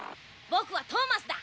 僕はトーマスだ。